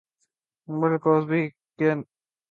بل Cosby کی نظرثانی درخواست پر ریپ کیس کی سماعت